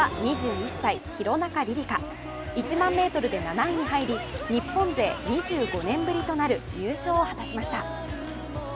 １００００ｍで７位に入り日本勢２５年ぶりとなる入賞を果たしました。